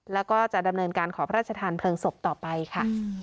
แล้วก็จะดำเนินการขอพระราชทานเพลิงศพต่อไปค่ะ